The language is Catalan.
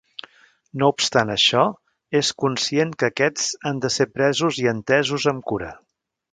No obstant això, és conscient que aquests han de ser presos i entesos amb cura.